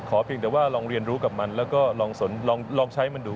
เพียงแต่ว่าลองเรียนรู้กับมันแล้วก็ลองใช้มันดู